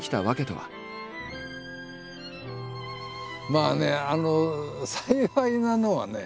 まあね幸いなのはね